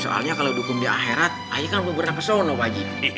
soalnya kalo dihukum di akhirat ayah kan belum pernah pesono pak haji